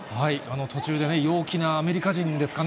途中でね、陽気なアメリカ人ですかね？